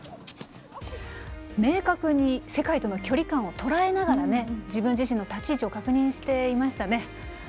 明確に世界との距離感をとらえながら自分自身の立ち位置を確認していましたね。